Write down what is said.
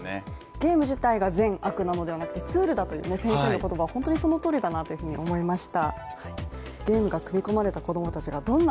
ゲーム自体が善悪なのではなくてツールだという先生の言葉は本当にその通りだなというふうに思いました。